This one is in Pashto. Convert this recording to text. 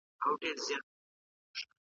د عبد الله بن مسعود شاګرد څه وايي؟